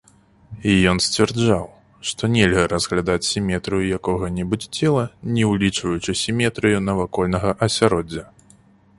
Ён сцвярджаў, што нельга разглядаць сіметрыю якога-небудзь цела, не ўлічваючы сіметрыю навакольнага асяроддзя.